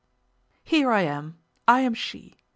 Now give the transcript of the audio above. "Here I am. I am she!